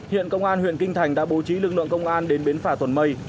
hiện công an huyện kinh thành đã bố trí lực lượng công an đến biến phả tuần mây